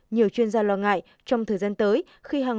nhiều chuyên gia lo ngại trong thời gian tới